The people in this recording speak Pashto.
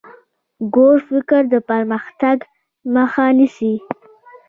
کوږ فکر د پرمختګ مخ نیسي